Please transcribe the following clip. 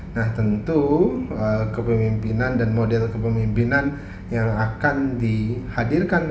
nah tentu kepemimpinan dan model kepemimpinan yang akan dihadirkan